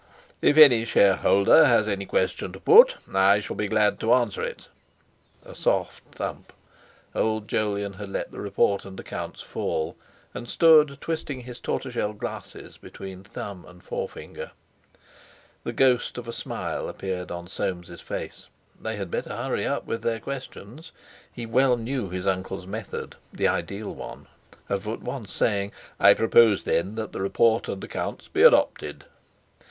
.... "If any shareholder has any question to put, I shall be glad to answer it." A soft thump. Old Jolyon had let the report and accounts fall, and stood twisting his tortoise shell glasses between thumb and forefinger. The ghost of a smile appeared on Soames's face. They had better hurry up with their questions! He well knew his uncle's method (the ideal one) of at once saying: "I propose, then, that the report and accounts be adopted!"